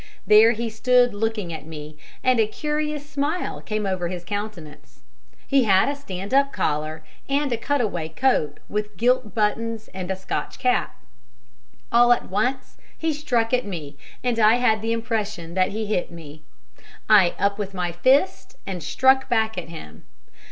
There he stood looking at me, and a curious smile came over his countenance. He had a stand up collar and a cut away coat with gilt buttons and a Scotch cap. All at once he struck at me, and I had the impression that he hit me. I up with my fist and struck back at him.